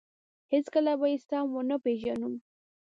هېڅکله به یې سم ونه پېژنو.